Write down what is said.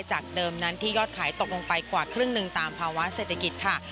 จากเดิมนั้นที่ยอดขายตกลงไปกว่าครึ่งหนึ่งตามภาวะเศรษฐกิจค่ะ